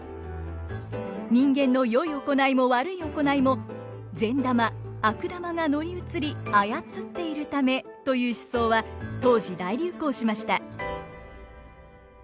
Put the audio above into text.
人間の善い行いも悪い行いも善玉悪玉が乗り移り操っているためという思想は当時大流行しました。